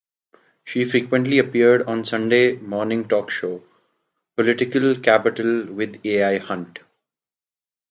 She frequently appeared on the Sunday morning talk show "Political Capital with Al Hunt".